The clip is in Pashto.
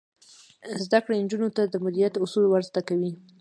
زده کړه نجونو ته د مدیریت اصول ور زده کوي.